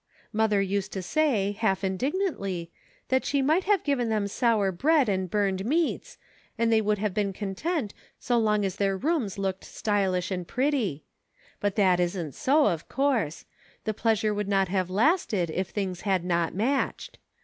Mother used to say, half indignantly, 252 EVOLUTION. that she might have given them sour bread and burned meats, and they would have been content so long as their rooms looked stylish and pretty ; but that isn't so, of course ; the pleasure would not have lasted if things had not matched.